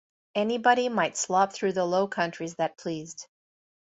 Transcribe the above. Anybody might slop through the Low Countries that pleased.